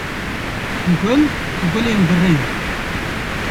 Gul, gulên bi reng